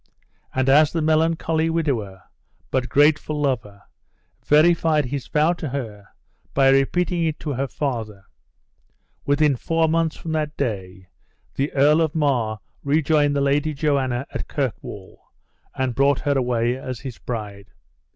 And as the melancholy widower, but grateful lover, verified his vow to her, by repeating it to her father within four months from that day, the Earl of Mar rejoined the Lady Joanna at Kirkwall, and brought her away as his bride.